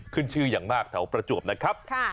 ขึ้นชื่ออย่างมากแถวประจวบนะครับ